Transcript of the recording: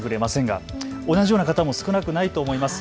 同じような方も少なくないと思います。